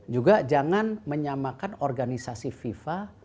juga jangan menyamakan organisasi fifa